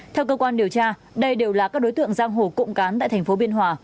theo cơ quan điều tra đây đều là các đối tượng giang hồ cộng cán tại thành phố biên hòa